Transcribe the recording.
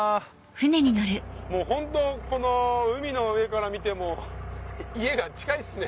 もうホントこの海の上から見ても家が近いですね。